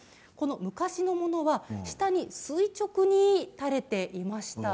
昔のものは下に垂直に垂れていました。